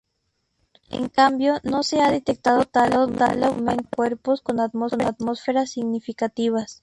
En cambio, no se ha detectado tal aumento para cuerpos con atmósferas significativas.